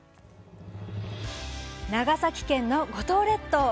長崎県の五島列島。